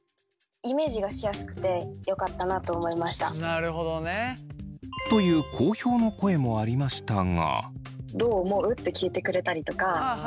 なるほどね。という好評の声もありましたが。